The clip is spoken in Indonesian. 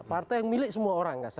partai yang milik semua orang